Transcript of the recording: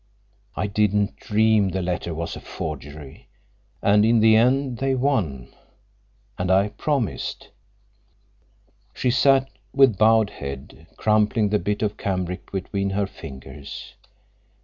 I didn't dream the letter was a forgery. And in the end they won—and I promised." She sat with bowed head, crumpling the bit of cambric between her fingers.